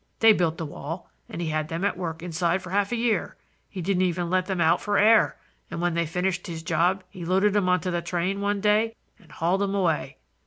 They built the wall, and he had them at work inside for half a year. He didn't even let them out for air; and when they finished his job he loaded 'em on to a train one day and hauled 'em away."